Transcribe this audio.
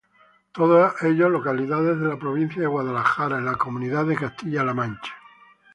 Todos ellos localidades de la provincia de Guadalajara en la comunidad de Castilla-La Mancha.